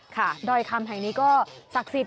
ดอยคำแห่งนี้ก็ศักดิ์สิทธิ